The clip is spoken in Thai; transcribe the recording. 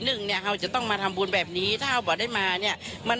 แต่และอัศวินแล้วเหมือนเว้ิอนดูงกลายเป็นใหญ่